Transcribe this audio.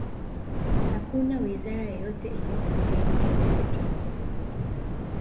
hakuna wizara yoyote iliyosalia jijini dar es salaam